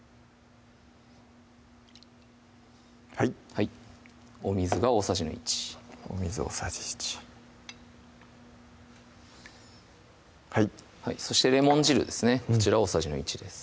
はいはいお水が大さじの１お水大さじ１はいそしてレモン汁ですねこちら大さじの１です